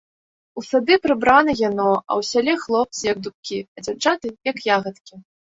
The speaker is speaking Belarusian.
У сады прыбрана яно, а ў сяле хлопцы, як дубкі, а дзяўчаты, як ягадкі.